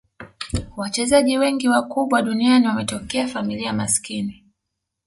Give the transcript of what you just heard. wachezaji wengi wakubwa duniani wametokea familia maskini